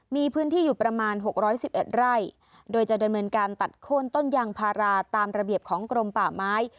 มีพื้นที่อยู่ประมาณ๖๑๑ไร่โดยจะดำเนินการตัดโค้นต้นยางพาราตามระเบียบของกรมป่าไม้